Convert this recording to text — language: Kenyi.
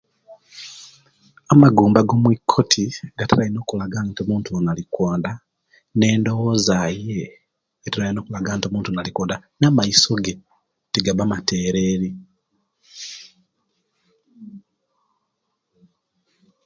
Amagumba gomwikoti gatira ino okulaga nti omuntu oyo alikwonda nendowoza ye etira ino okulaga nti omuntu ono alikwonda namaiso ge tigaba matereri